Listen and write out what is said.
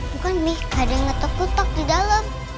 bukan mi ada yang ngetok kotok di dalam